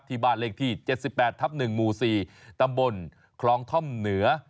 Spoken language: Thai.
ที่บ้านเลขที่๗๘ทับ๑หมู่๔ตำบลคลองท่อมเหนือ